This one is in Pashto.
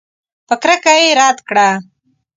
په کرکه یې رد کړه.